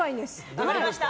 分かりました！